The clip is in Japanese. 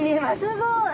すごい！